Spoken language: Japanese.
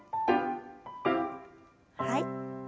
はい。